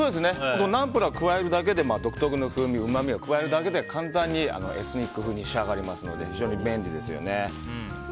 ナンプラーを加えるだけで独特の風味やうまみを加えるだけで簡単にエスニック風に仕上がりますので非常に便利ですね。